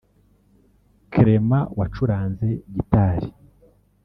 Clement wacuranze gitari